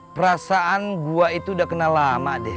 perasaan gua itu udah kenal lama deh